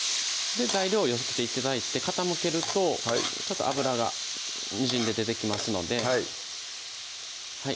材料寄せて頂いて傾けると油がにじみ出てきますのではい